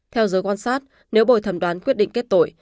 theo giới quan sát nếu bồi thẩm đoán quyết định kết tội